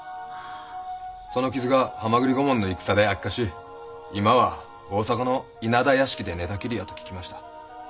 その傷が蛤御門の戦で悪化し今は大坂の稲田屋敷で寝たきりやと聞きました。